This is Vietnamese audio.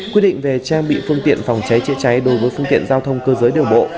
quy định về trang bị phương tiện phòng cháy chữa cháy đối với phương tiện giao thông cơ giới đường bộ